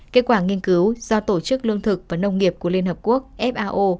kết quả nghiên cứu do tổ chức lương thực và nông nghiệp của liên hợp quốc fao